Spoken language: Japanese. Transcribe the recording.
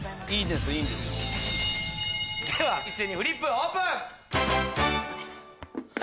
では一斉にフリップオープン！